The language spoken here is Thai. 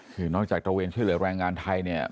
คือนอกจากตระเวนชื่อเหลือแรงงานไทย